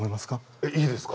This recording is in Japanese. えっいいですか？